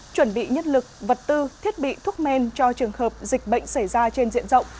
chuẩn bị nhân lực vật tư thiết bị thuốc men cho trường hợp dịch bệnh xảy ra trên diện rộng